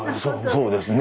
そうですね。